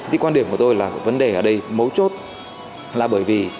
thì quan điểm của tôi là vấn đề ở đây mấu chốt là bởi vì